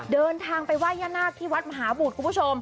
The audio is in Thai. เดินทางไปไหว้ย่านาคที่วัดมหาบุตรคุณผู้ชม